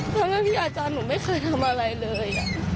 ทั้งที่อาจารย์หนูไม่เคยทำอะไรเลย